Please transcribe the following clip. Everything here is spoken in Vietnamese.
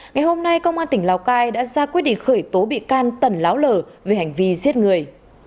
ngày hôm nay công an tỉnh lào cai đã ra quyết định khởi tố bị can tần láo lở về hành vi giết người